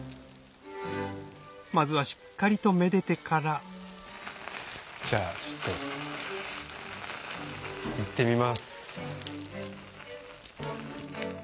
まずはしっかりと愛でてからじゃあちょっと行ってみます。